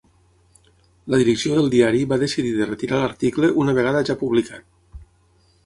La direcció del diari va decidir de retirar l’article una vegada ja publicat.